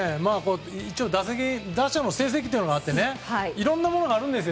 打者の成績というのがあっていろんなものがあるんです。